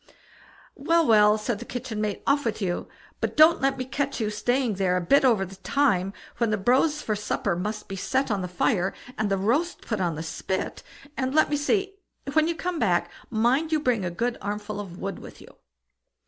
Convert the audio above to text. "Well, well!" said the kitchen maid, "off with you; but don't let me catch you staying there a bit over the time when the brose for supper must be set on the fire, and the roast put on the spit; and let me see; when you come back, mind you bring a good armful of wood with you."